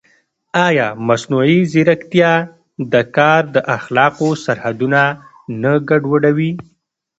ایا مصنوعي ځیرکتیا د کار د اخلاقو سرحدونه نه ګډوډوي؟